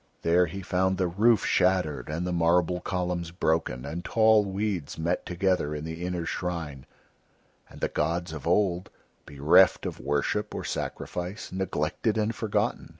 There he found the roof shattered and the marble columns broken and tall weeds met together in the inner shrine, and the gods of Old, bereft of worship or sacrifice, neglected and forgotten.